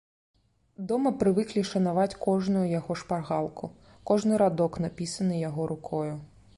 Дома прывыклі шанаваць кожную яго шпаргалку, кожны радок, напісаны яго рукою.